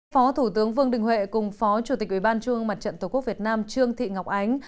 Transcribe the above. phó thủ tướng vương đình huệ cùng phó chủ tịch ubnd mặt trận tổ quốc việt nam trương thị ngọc ánh